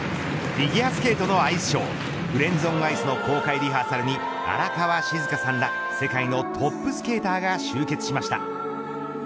フィギュアスケートのアイスショーフレンズオンアイスの公開リハーサルに荒川静香さんら世界のトップスケーターが集結しました。